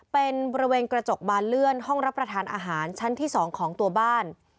เป็นบริเวณกระจกบานเลื่อนห้องรับประทานอาหารชั้นที่๒ของตัวบ้าน